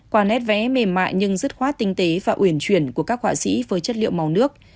còn nét vẽ mềm mại nhưng dứt khoát tinh tế và uyển chuyển của các họa sĩ với chất liệu màu nước